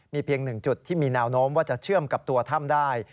เพียงหนึ่งจุดที่มีแนวโน้มว่าจะเชื่อมกับตัวถ้ำได้